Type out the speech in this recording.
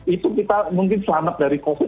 itu kita mungkin selamat dari covid